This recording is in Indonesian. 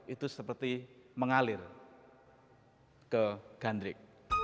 itu seperti mengalir ke gandrik